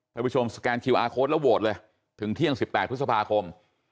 ท่านผู้ชมสแกนคิวอาร์โค้ดแล้วโหวตเลยถึงเที่ยง๑๘พฤษภาคม